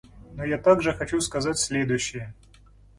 Но я также хочу сказать следующее.